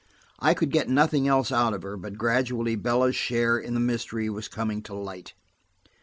I could get nothing else out of her, but gradually Bella's share in the mystery was coming to light.